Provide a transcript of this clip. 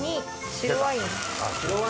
白ワイン。